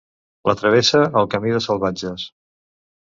La travessa el Camí de Salvatges.